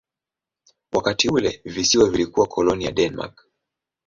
Wakati ule visiwa vilikuwa koloni ya Denmark.